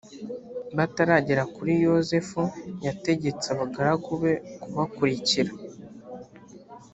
bataragera kure yozefu yategetse abagaragu be kubakurikira